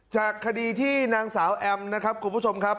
จากคดีที่นางสาวแอมนะครับคุณผู้ชมครับ